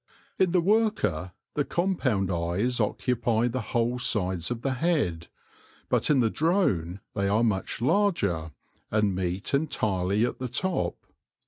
In the worker the compound eyes occupy the whole sides of the head, but in the drone they are much larger, and meet entirely at the top.